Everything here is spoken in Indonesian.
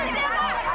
itu dia tuhan